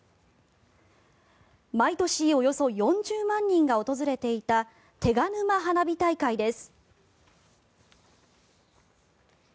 毎年およそ４０万人が訪れていた手賀沼花火大会です。